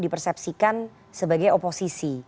dipersepsikan sebagai oposisi